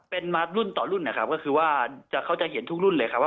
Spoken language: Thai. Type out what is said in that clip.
เป็นมารุ่นต่อรุ่นนะครับก็คือว่าเขาจะเห็นทุกรุ่นเลยครับว่า